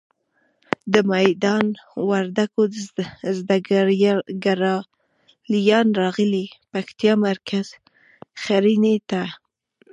د میدان وردګو زده ګړالیان راغلي پکتیکا مرکز ښرنی ته.